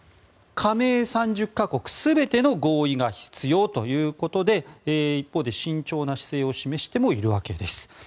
加盟３０か国全ての合意が必要ということで一方で慎重な姿勢を示してもいるわけです。